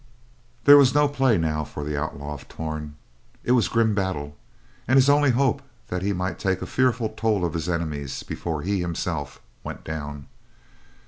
There was no play now for the Outlaw of Torn. It was grim battle and his only hope that he might take a fearful toll of his enemies before he himself went down.